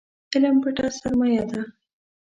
علم پټه سرمايه ده